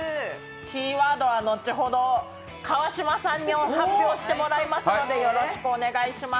キーワードは後ほど川島さんに発表してもらいますのでよろしくお願いします。